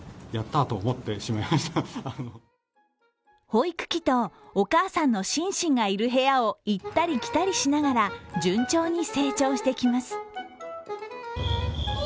保育器と、お母さんのシンシンがいる部屋を行ったり来たりしながら順調に成長してきます。